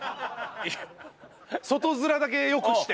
外面だけ良くして。